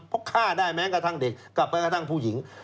เพราะฆ่าได้แม้กระทั่งเด็กกับแม้กระทั่งผู้หญิง